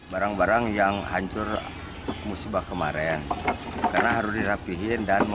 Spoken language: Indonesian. barang barang yang hancur musibah kemarin